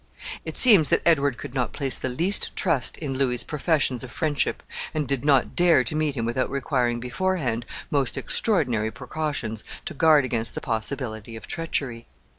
It seems that Edward could not place the least trust in Louis's professions of friendship, and did not dare to meet him without requiring beforehand most extraordinary precautions to guard against the possibility of treachery.